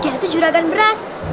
dia itu juragan beras